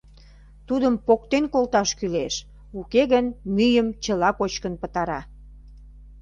— Тудым поктен колташ кӱлеш, уке гын мӱйым чыла кочкын пытара.